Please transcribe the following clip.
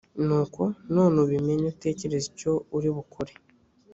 nuko none ubimenye utekereze icyo uri bukore